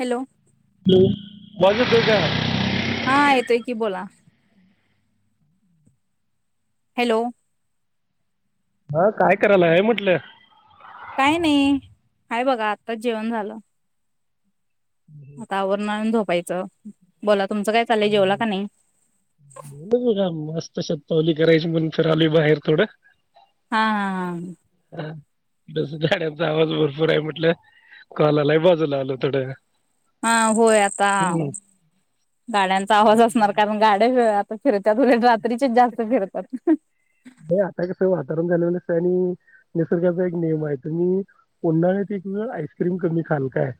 Hello बाजूत का हा येतोय की बोला हॅलो हा काय करायला हे म्हटलं काय नाही आहेय बघा आत्ताच जेवण झालं मवर न बला तुमचं काय चालय जेवला का नाही ब बघा मस्त शतपावली करायची म्हणून फिरा आली बाहेर थोडं हा हा हा बस गाडचा आवाज भरपूर आहे म्हटलं कलाला बाजूला आलो थोडं हा होय आता हम्म. गाड्यांचा आवाज बाकी काय असणार नाही. कारण गाड्या होे फिरतत रात्रीचे जास्त फिरतात हे आता कसं वातावरण झाले नस आणि निसर्गाचा एक नियम आहे तुम्ही उन्हाळ्यात एक वेळ आईस्क्रीम कमी खाल काय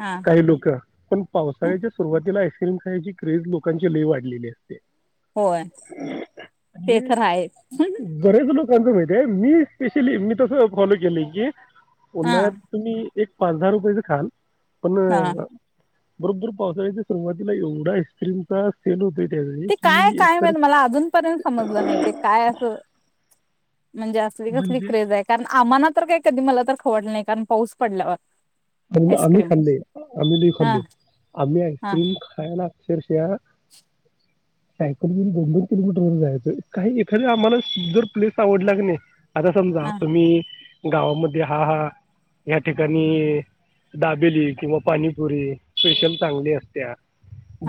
हा काही लोक पण हा पावसाळ्याच्या सुरुवातीला आहे िल्म खायची क्रेज लोकांची लय वाढलेली आहे होय आणि हे तेथ बरेच लोक सांगतो माहिती आहे मी स्पेशली मी तसं फॉलो केलं की हा नात तुम्ही एक पाच दहा रुपयाेचं खाान पण हा बरोबर पावसाळ्याच्या सुरुवातीला एवढा आस्क्रीम चा सेल होत ते काय काय म्ह मला अजूनपर्यंत समजलं नाही ते काय अस हो म्हणजे असली कसली म्हणजे क्रेज आहे कारण आम्हाना तर काय कधी मला तर खवड नाही कारण पाऊस पडल्यावर आणि आमही आईस्क्रीम खाले आम द हा खाले आमही हा आईसक्रीम खायला सर्ष्या [unintelligible] सायकल घून दोन दोन किलोमीटर व जायचं काही एखादी आम्हाला जर प्लेस आवडलाग नाही आता समजा हा तुम्ही गावामध्ये हा हा या्या ठिकाणी दाबेली किंवा पाणीपुरी स्पेशल चांगली असत्या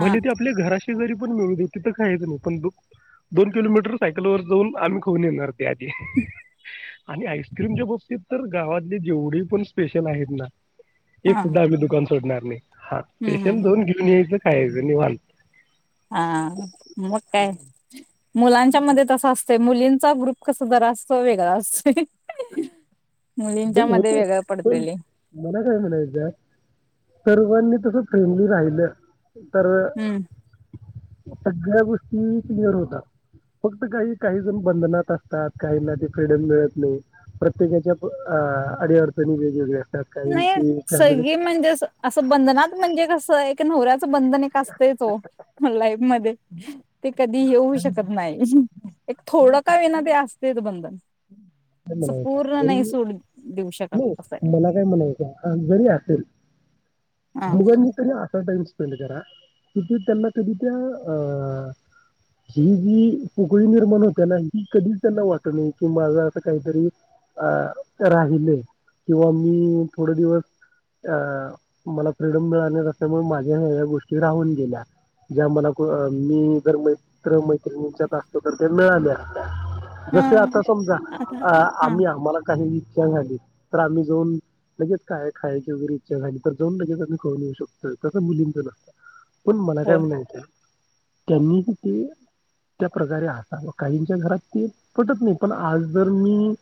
हा ते आपल्या घरा जरी पण मिळ दे तर खायच नाही पण दोन किलोमीटर सायकल वर जाऊन आम्ही खाऊन येणार त्या आधी आणि आईस्क्रीमच्या बाबतीत तर गावातली जेवढे पण स्पेशल आहेत ना एक हा सुद्धा आपली दुकान सोडणार नाही हा हम्म स्पेशल हम्म दोन घेऊन याच काे निव अत हा मु काय मुलांच्या मध्ये तसं असते मुलींचा ग्रुप कस जरा असतो वेगळा असतो ते होत पण मला काय म्हणाय त्या सर्वांनी तसं फेमली राहिलं तर हम्म सगळ्या गष्ट क्लिअर होता फक्त काही काही जण बंधनात असतात काहींना ते फ्रीडम मिळत नाही प्रत्येकाच्या अडी्याारपणी वन नाही सगळी म्हणजे असं? असं बंधनात म्हणजे कसंय? - नवऱ्याचं बंधन एक, असतयच ओ लाईफ मध्ये- कधी येऊही शकत नाही. एक थोडं का होईना? [unintelligible] [unintelligible] बंधन- म्हणायचं पूर्ण नाही जरी सोडून देऊ शकत- त्याच असय - म्हणायच आपण का बरी असेल. हा दोघांनी त्याला [unintelligible] [unintelligible] करा कि त्यांना कधी त्या अ- ही जी पोकळी निर्माण होते ना, ही कधीच त्यांना वाटल नाही कि, माझ असं काहीतरी अ करा म्हणून - किंवा मी -थोड दिवस अ- मला फ्रीडम मिळाल नसल्यामुळे माझ्य या या गोष्टी राहून गेल्या ज्या मला मी जर मैत्र- च्यात असतो तर त्या मिळाल्या- जसे, हा आता समजा आता अ हा -आम्ही आम्हाला काही- [unintelligible] तर आम्ही जाऊन लगेच काय खायची वगैरे इच्छा झाली तर जाऊन लगेच खाऊन येऊ शकतोय, तसं मुलींच नसत- पण मला काय होय म्हणायचंये? त्यांनी ते- केलं त्या प्रकारे, आता काहीच्या घरात ते पटत नाही पण आई वडील मी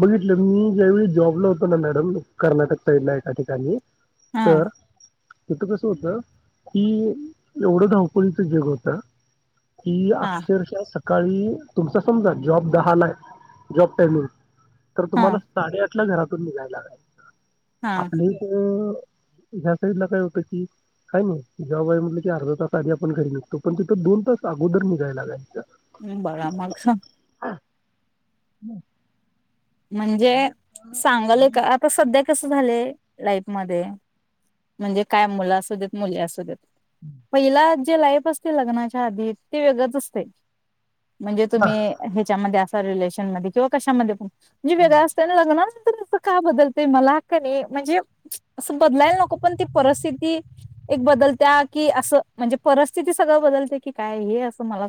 बघितलं मी ज्यावे ळी जॉब- न होत ना, - मॅडम कर्नाटक साईडला एका ठिकाणी हा तर- तिथ कसं होत? कि एवढं धावपळीच जग होत - की हा अक्षरशः - काळी तुमचा समजा जॉब दहा ला आहे. जॉब टाइमिंग- तर हा तुम्हाला साडे आठ - कुठल्या घरातून निघायलाय? हा आपली तर- ह्या साईड ला काय होत की? काय नाही जॉब आहे म्हटलं की अर्धा तास आधी आपण घरी निघतो पण तिथं दोन तास अगोदर निघायला लागत - हम् बाळा मला एक सांग- हं. म्हणजे सांगायलय का आता सध्या कस? - झाले लाईफ मध्ये, म्हणजे काय मुलं असू देत मुली असू देत- पहिला - जे लाईफ असते लग्नाच्या आधीच, ते वेगळंच असतय. म्हणजे, हा तुम्ही ह्याच्यामध्ये अस- रिलेशन मध्ये किंवा कशामध्ये जी वेगळ असतेय ना लग्नत का बदलत मला का नाही म्हणजे असं बदलायला नको पण ती परिस्थिती एक बदलत्या की असं म्हणजे परिस्थिती सगळं बदलते की काय हे असं मला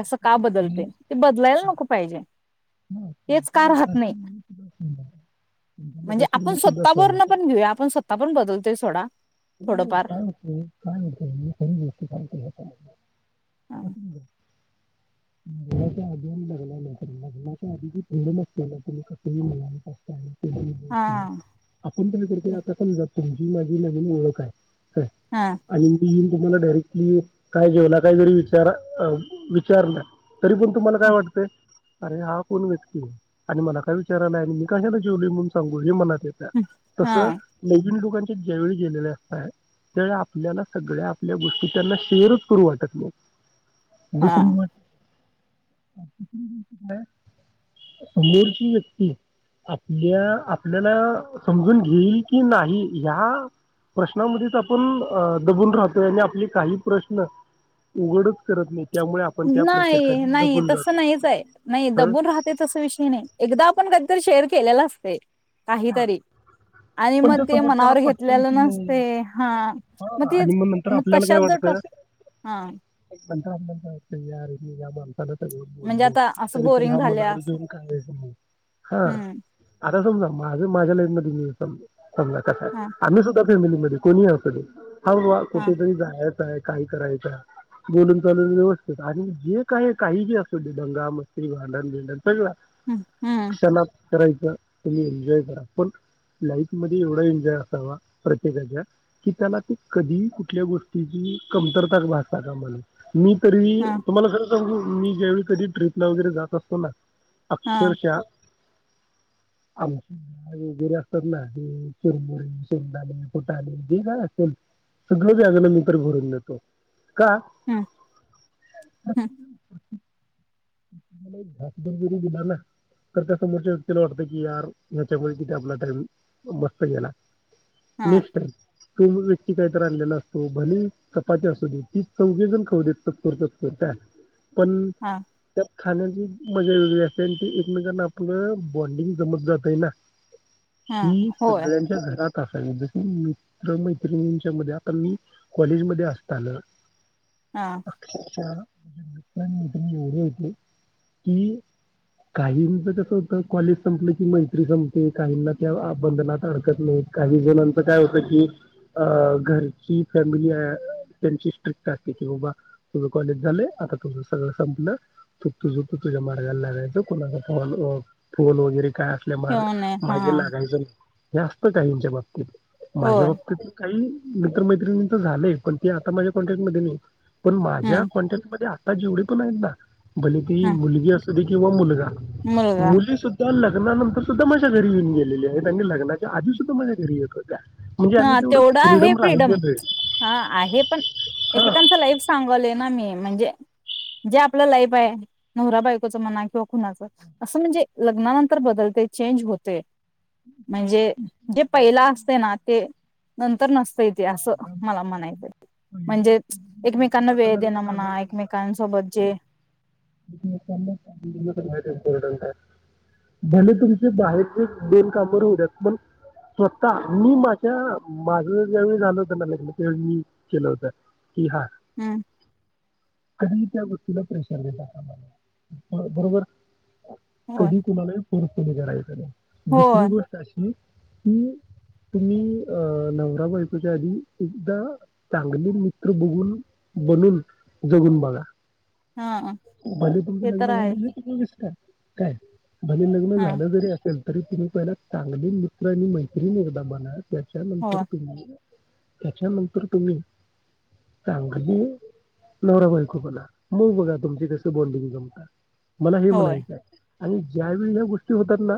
अस का मी बदलते ते बदलाला नको पाहिजे हा, तेच तुमच्या का राहत मताशी नाही मी सुद्धा सहमत आहे. तुमच्या म्हणजे मताशी आपण मी सुद्धा स्वतः पून सहमत आहे. पण घेऊया आपण स्वत पण बदलतोय सोडा थोडंफार कायत सरी गोष्टी ांलते हम लग्नाच्या स ना तुम्ही कसला असता हा हम् करतोय आता समजा तुमची माझी नवी ओळख आहे ह आणि मी तुम्हाला डायरेक्टली काय जेवला काहीतरी विचार विचारलं तरी पण तुम्हाला काय हा वाटतय अरे हा कोण व्यक्ती आणि मला काय विचाराला आणि मी कशाला जेवले म्हणून सांगू हे मना तस ोकां ज्यावेळी गेले असत त्या आपल्या सगळ्या आपल्या गोष्टी त्यांना शेर करू वाटत हा दुसरी मठ काय समोरची व्यक्ती आपल्या आपल्याला समजून घेईल कि नाही ह्या प्रश्नामध्येच आपण दबून राहतोय आणि आपले काही प्रश्न उघडच करत नाही त्यामुळे आपण त्या नाही प्रेशरखाली नाही दबून तस जातो नाहीच आहे नाही हं? दबून राहते तस विषय नाही एकदा आपण कध तर शेअर केलेला असते हा. काहीतरी आणि पण त्या मग ते समोरच्याला मनावर पटतंय घेतलेलं की नाही नसते हा मग हा ते आणि नंतर मग आपल्याला काय तशच जो टॉ हा काण क आहे मी ग सग म्हणजे ब आता असं तरी पण बोरिंग हा झाले असं मनर्जून काय हा हम्म त्याम माझ मजलान तिन दिवस समजा कस आहे हा आम्ही सुद्धा फॅमिलीमध्ये कोणी असल ह हा कुठेतरी जाय काय कराय बोलून चालून व्यवस्थित आणि जे काही काही जे अस डंगा मस्ती भांडण भिंडण बजला हम्म हम्म क्षण करायच कमी एजॉय करा पण लाईफ मध्ये एवढा एन्जॉय असावा प्रत्येकाच्या कि त्याला ते कधी कुठल्या गोष्टीची कमतरता भासता का म्हण मी तरी हा तुम्हाला जर मी ज्यावेळी कधी ट्र्रीपला वगैरे जात असतो ना हा अक्षरच्याः आ वगैरे असतात ना हे शिरमुरे शेडाले फोटाले जे काय असेल सगळं जागाण मी तरर भरून देतो का हम्म हम्म ला घासरगरी दिला ना तर त्या समोरच्या व्यक्तीला वाटत कि यार ह्याच्यामुळे किती आपला टईम मस्त याला हा नक्स् तो व्यक्ती काहीत आणलेला असतो भले चपाती असू दे ती चौघजण खाऊ देत चकर चकर त्या पण हा खाण्याची मजा वेगळी असते आणि ते एकमेकांना आपलं बॉन्डिंग जमत जात आहे ना हा ही होय सगळ्यांच्या घरात म्हणज मित्र मैत्रिणींच्या मध्ये आता कॉलेजमध्येध्ये असताल हा अच्छा अच्छा एवढे हो कि काहींच कस होत कॉलेज संपलं कि मैत्री संपते काहींना त्या बंधनात हरकत नाही काही जणांच काय होत की अ घरची फॅमिली त्यांची स्ट्रिक्ट असते कि बाबा तुम्ही कॉलेज झाले आता तुम सगळं संपलं तुप तू झुप तुझा मला को्हा फ फोन वगैरे काय असल्या म ठेवून आहे हा माझे लागायचं नाही जास्त काहीच्या बाबतीत माझ्या होय बाबतीत काही म तर्र मैत्रिणी तर झालेय पण ते आता माझ्या कॉन्टॅक्टमध्येध्ये नाही पण माझ्या हम्म क्ॉन्टेंटमध्येध्ये ता जेवढे पण एकदा भले ती हम् मुलगी अस त क ब मुलगा मुलगा मुली सुद्धा लक्ष लग्नानंतर सुद्ध माझ्या घरी येऊन गेली आहे आणि लग्नाच्या आधी सुद्धा माझ्या घरी येत होत्या म्हणजे आम्ही ह तेवढं तेवढा आहे फ्रीडम राहिलेलो आहे हा आहे पण हा. एकेकांच लाईफ सांगवले ना मी म्हणजे जे आपलं लाईफ आहे नवरा बायकोच मना किंवा खुणाचं असं म्हणजे लग्नानंतर बदलते चेंज होते म्हणजे जे पहिला असते ना ते नंतर नसते इतिहास मला म्हणायच म्हणजे एकमेकांना आता वेळ लग्न देणं झालंय म्हणा समजा एकमेकांसोबत जे एकमेकांना देणं सगळ्यात आहे. भले तुमचे बाहेरचे बेनकामवर हो द्यात पण स्वतः मी माझ्या माझ झाल होत ना लग्न मी केलं होतं की हा हु कधीही त्या गोष्टीला प्रेशर दिला कामाला बरोबर? होय कधी कुणालाही फोर्स कधी करायचं नाय, दुसरी होय गोष्ट अशी ह तुम्ही अ नवरा बाय त्याच्या आधी एकदा चांगले मित्र बघून बनून जगून बघा. हा भले तुमचे ते तर लग्न आहेच झालेले कि विस काय भले लग्न हा झालं जरी असेल तरी तुम्ही पहिला चांगले मित्र आणि मैत्रीण एकदा बना. होय त्याच्यानंतर तुम्ही त्याच्यानंतर तुम्ही चांगली नवरा बायको बना, म बघा तुमची कस बॉन्डिंग जमत. मला हे होय म्हणायच आणि ज्यावेळी ह्या गोष्टी होतात ना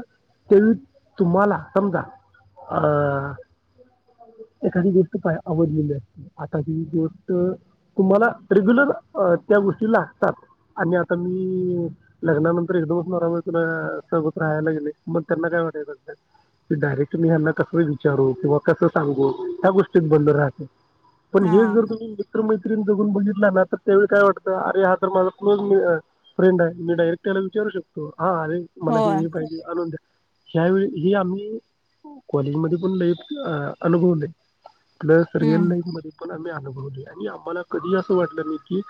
त्यावेळी तुम्हाला समजा अ एखादी गोष्ट पाय आवडलेली असेल आता ती गोष्ट तुम्हाला रेग्युलर अ त्या गोष्टी लागतात आणि आता मी लग्नानंतर एकदमच नवरा बायकोला सोबत राहायला गेले मग त्यांना काय वाटायचं अस डायरेक्ट मी ह्याना कसं विचारू किंवा कसं सांगू ह्या गोष्टीत बंद राहते. पण हा हे जर तुम्ही मित्र मै क्रिन जघून बघितला ना तर त्यावेळी काय वाटतं अरे हा तर माझा क्लोज मी फ्रेंडय मी डायरेक्ट त्याला विचारू शकतो. हा आहे मला हे, होय हे पहिजे अनून द्या. ह्यावेळी हे आम्ही कॉलेजमध्ये पण लइ अनुभवलय. प्लस रिअल हम्म लाईफ मध्ये पण आम्ही आम्हाला कधी असं वाटलं नाय की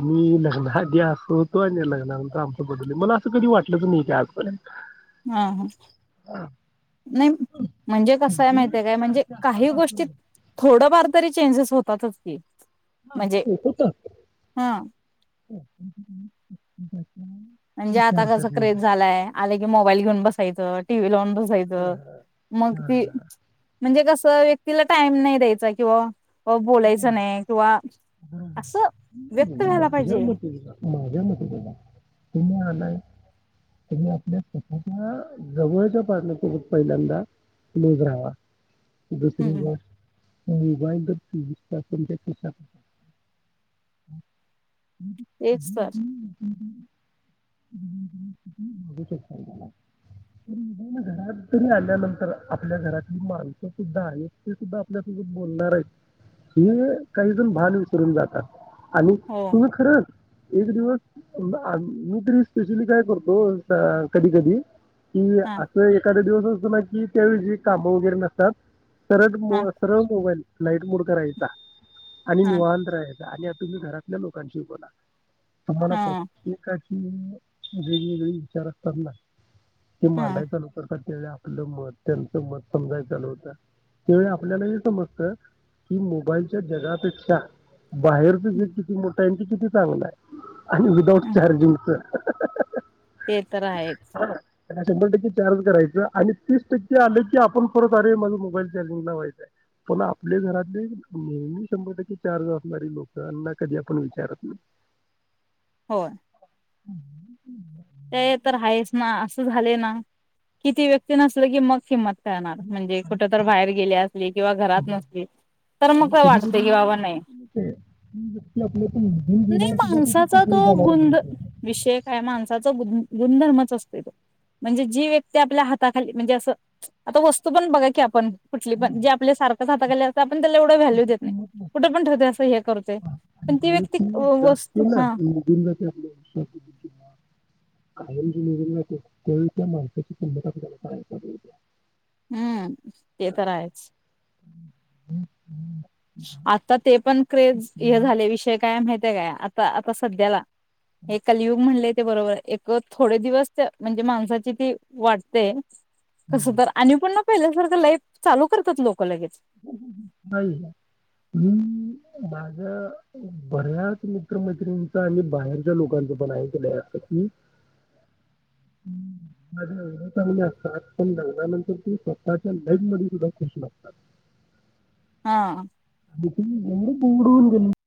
आम्ही लग् असं होतो आणि लग्नानंतर आमंच बदल मला असं कधी वाटलंच नाय की आजपर्यंत. हा, हा नाय म्हणजे कसय वेळ माहितय काय म्हणजे सारखे काही असतात असं गोष्टी थोडफार तरी चेंजेस होत त्यातच की हा म्हणजे ओपोत हा [inaudible] म्हणजे आता कसं क्रेज झालाय. आले म मोबाईल घेऊन बसायचं टिव्ही लाऊन ब होय ग, मग हा, ती म्हणजे कस व्यक्तीला टाइम नाय द्यायचा किंवा व बोलायचं नाही किंवा बरोबर असं नाही व्यक्त नाही, ह्यायला माझ्या पाहिजे. मते बघा, माझ्या मते बघा तुम्ही आलाय तुम्ही आपल्या स्वतःच्या जवळच्या पार्टनरसोबत पहिल्यांदा क्लोज राहावा. दुसरी हम्म बार होय बाई गत [unintelligible] त्यात तुमच्या खिशात तेच सर घ शक घरात तरी आल्यानंतर आपल्या घरातली माणसं सुद्धा आहेत ते सुद्धा आपल्यासोबत बोलणार आहेत हेि काहीजून भान विसरून जातात आणि हो तुम्ही खरं एक दिवस मी तरी स्पेशली काय करतो कधी कधी कि हा असं एखाद्या दिवस की त्यावे काम वगैरे नसतात सरळ हा सरळ मोबाईल लाईट मु करायता आणि हा निवत रा आहे आणि आता तुम्ही घरातल्या लोकांशी बोला तुम्हाला हा प्रत्यक अ विचार करणार ते हा मांडायचा लोकर त्या आपलं मत त्यांच मत समजाय चालू होतं त्यावेळी आपल्याला हे समजत हि मोबाईलच्या जगापेक्षा बाहेरच जे किती मोठं आहे ते किती चांगलं आहे आणि उदाऊट चार्जिंग तर [unintelligible] ते तर आहेच त्या शंभर टक्के चार्ज करायचं आणि तीस टक्के आले की आपण परत अरे माझ मोबाईल चार्जिंगला व्हायचांय पण आपल्या घरात नेहमी शंभर टक्के चार्ज असणारी लोक यांना कधी आपण विचारत नाही हो हम् ह ते तर आहेच ना असं झाले ना किती व्यक्ती नसल की मग किंमत म्हणजे कुठ बाहेर गे अस किंवा घरात नसली तर मग आणि का कधी वाटते कधी कि बा हे पण होतंय, ती व्यक्ती आपल्यातून निघून गेल्यावर सुद्धा त्याची माणसाचा पकडी तो गु जाणार नाही त्याची विषय का माण गुणधर्मच असते तो म्हणजे जी व्यक्ती आपल्या हाताखाली म्हणजे असं आता वस्तू पण बघा की आपण ुठली पण जे आपल्या सारखं [unintelligible] त्या तुत असं हे करते पण ती आणि व्यक्ती तुाकते वस्तू ना हा नून आप कायम डिलेिवरी लाे त्यावेळी त्या माणसाची क्षमता कुल्याला करायचा हो्या हम्म ते तर आहेच ह हम्म आता ते पण ्रेज झा विषय काय माहिताय काय आता आता सध्याला हे कलियुग म्हणले ते बरोबराय, एक थोडे दिवस म्हणजे माणसाची ती वाटते. कसं हं. तर आणि पण न पहिल्यासारखं लाईफ चालू करतात लोक् [unintelligible] मी माझ्या बऱ्याच मित्रमैत्रिणींचं आणि बाहेरच्या लोकांच पण ऐकलं असं की [unintelligible] असतात पण लग्नानंतर नंतर ते स्वतःच्या लाईफ मध्ये सुद्धा नसतात. हा. [unintelligible]